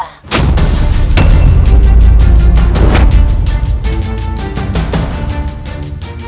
aku mau pergi ke tempat yang lebih tua